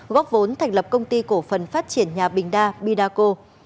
góp vốn thành lập công ty cổ phần phát triển nhà bình đa bidaco